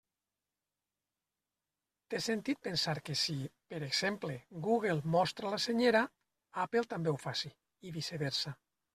Té sentit pensar que si, per exemple, Google mostra la Senyera, Apple també ho faci, i viceversa.